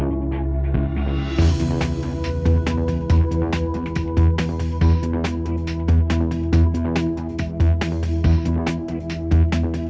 โอ้เว่ยเมื่อกี้จัดสองร้อยอ่ะเนี่ย